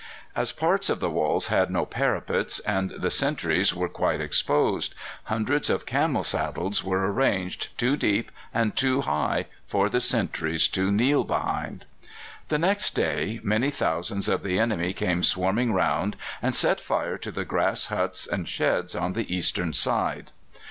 As parts of the walls had no parapets and the sentries were quite exposed, hundreds of camel saddles were ranged, two deep and two high, for the sentries to kneel behind. The next day many thousands of the enemy came swarming round and set fire to the grass huts and sheds on the eastern side.